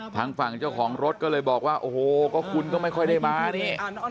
ทางฝั่งเจ้าของรถก็เลยบอกว่าโอ้โหก็คุณก็ไม่ค่อยได้มานี่